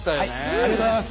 ありがとうございます。